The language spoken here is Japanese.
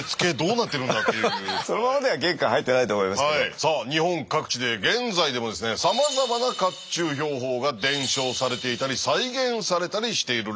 さあ日本各地で現在でもさまざまな甲冑兵法が伝承されていたり再現されたりしているらしいです。